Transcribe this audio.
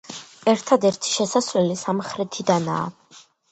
ერთადერთი შესასვლელი სამხრეთიდანაა.